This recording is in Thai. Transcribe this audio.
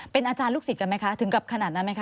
เป็นอาจารย์ลูกศิษย์กันไหมคะถึงกับขนาดนั้นไหมค